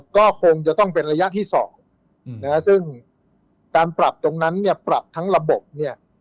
ก็คงจะต้องเป็นระยะที่๒นะฮะซึ่งการปรับตรงนั้นเนี่ยปรับทั้งระบบเนี่ย